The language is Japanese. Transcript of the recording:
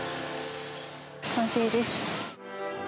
完成です。